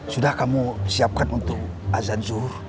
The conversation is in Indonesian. sudah kamu siapkan untuk azan zuhur